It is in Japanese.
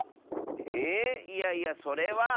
えいえいやそれは。